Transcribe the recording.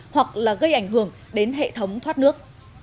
hoặc là gây ảnh hưởng đến hệ thống thoát nước